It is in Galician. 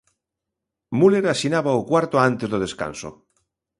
Muller asinaba o cuarto antes do descanso.